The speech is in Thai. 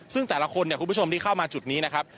ซึ่งแต่ละคนเนี่ยคุณผู้ชมที่เข้ามาจุดนี้นะครับ